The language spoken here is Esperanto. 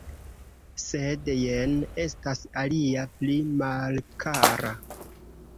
Sed jen estas alia pli malkara.